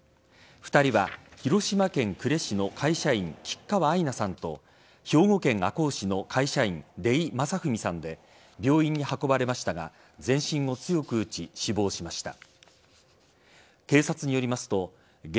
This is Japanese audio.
２人は広島県呉市の会社員吉川愛菜さんと兵庫県赤穂市の会社員出井理史さんで病院に運ばれましたが全身を強く打ち死亡しました。